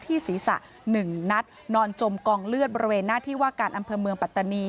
ศีรษะ๑นัดนอนจมกองเลือดบริเวณหน้าที่ว่าการอำเภอเมืองปัตตานี